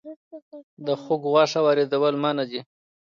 د خوګ غوښه واردول منع دي